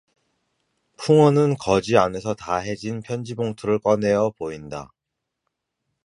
풍헌은 거지 안에서 다 해진 편지봉투를 꺼내어 보인다.